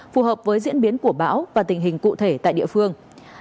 phù hợp với diễn biến của bão và tình hình cụ thể tại địa phương